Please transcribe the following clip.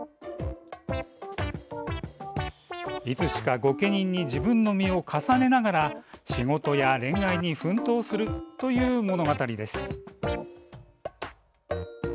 いつしか、御家人に自分の身を重ねながら仕事や恋愛に奮闘する物語です。